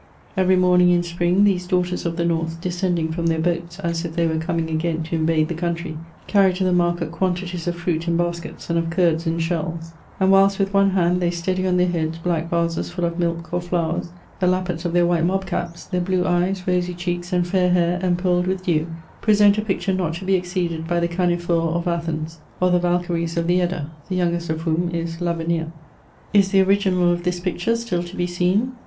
Every morning, in spring, these daughters of the North, descending from their boats, as if they were coming again to invade the country, carry to the market quantities of fhiit in baskets, and of curds in shells ; and whilst with one hafid they steady on their heads black vases full of milk or flowers, the lappets of their white mob caps, their blue eyes, rosy cheeks, and fair hair empearled with dew, present a picture not to be exceeded by the Caniphores of Athens, or the Valkyries of the Edda, the youngest of whom is VAvenir» Is the original of this picture still to be seen